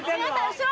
後ろ！